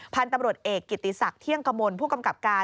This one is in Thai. พันธุ์ตำรวจเอกกิติศักดิ์เที่ยงกมลผู้กำกับการ